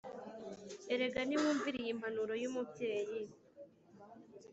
Erega nimwumvire iyi mpanuro yumubyeyi